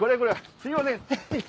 すいません。